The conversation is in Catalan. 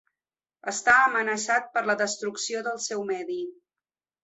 Està amenaçat per la destrucció del seu medi.